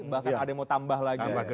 bahkan ada yang mau tambah lagi